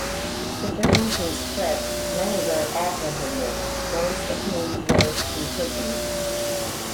The delusion spread, many were apprehended, most of whom were imprisoned.